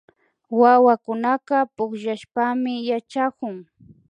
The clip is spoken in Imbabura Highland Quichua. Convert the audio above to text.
Wawakunaka pukllashpami yachakun